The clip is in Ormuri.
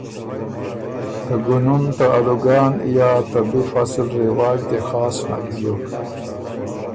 ته ګُنم ته آلوګان یا ته بی فصل رواج دې خاص نک بیوک۔